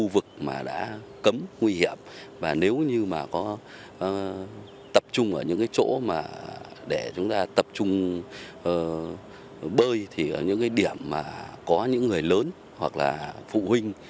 và nếu như mà có tập trung ở những cái chỗ mà để chúng ta tập trung bơi thì ở những cái điểm mà có những người lớn hoặc là phụ huynh